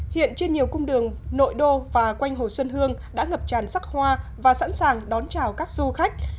hiện trên nhiều cung đường nội đô và quanh hồ xuân hương đã ngập tràn sắc hoa và sẵn sàng đón chào các du khách